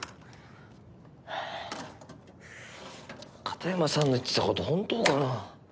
片山さんの言ってた事本当かな？